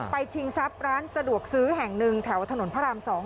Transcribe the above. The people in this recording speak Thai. ชิงทรัพย์ร้านสะดวกซื้อแห่งหนึ่งแถวถนนพระราม๒